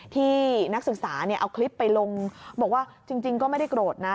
ที่นักศึกษาเอาคลิปไปลงบอกว่าจริงก็ไม่ได้โกรธนะ